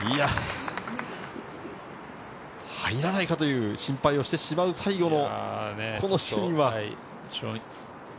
入らないかという心配をしてしまう最後のこのシーンは。